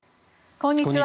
こんにちは。